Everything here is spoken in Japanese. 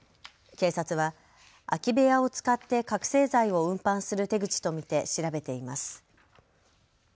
警察は空き部屋を使って覚醒剤を運搬する手口と見て調べています。